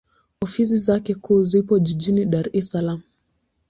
Ofisi zake kuu zipo Jijini Dar es Salaam.